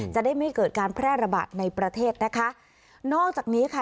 จะได้ไม่เกิดการแพร่ระบาดในประเทศนะคะนอกจากนี้ค่ะ